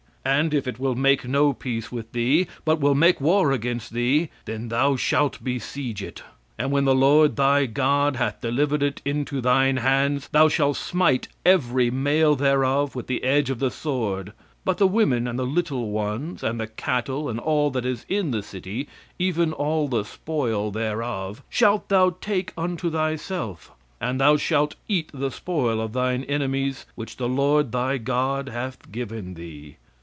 And if it will make no peace with thee, but will make war against thee, then thou shalt besiege it. And when the Lord thy God hath delivered it into thine hands, thou shalt smite every male thereof with the edge of the sword. But the women and the little ones, and the cattle, and all that is in the city, even all the spoil thereof, shalt thou take unto thyself, and thou shalt eat the spoil of thine enemies which the Lord thy God hath given thee.